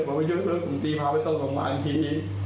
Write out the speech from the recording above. ผมก็ช่วยเพื่อนผมดีพาไปตรงหลังหลานที